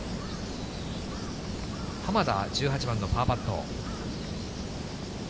濱田、１８番のパーパット。